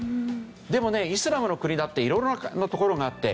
でもねイスラムの国だって色々な所があって。